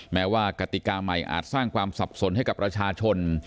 แม้ว่ากติกาใหม่อาจสร้างความสับสนให้กับประชาชน